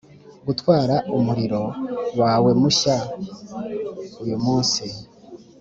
gutwara umuriro wawe mushya uyumunsi